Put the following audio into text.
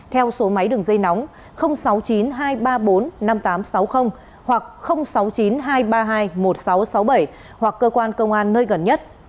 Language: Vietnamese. theo số máy đường dây nóng sáu mươi chín hai trăm ba mươi bốn năm nghìn tám trăm sáu mươi hoặc sáu mươi chín hai trăm ba mươi hai một nghìn sáu trăm sáu mươi bảy hoặc cơ quan công an nơi gần nhất